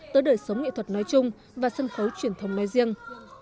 tới đời sống nghệ thuật nói chung và sân khấu truyền thống nói riêng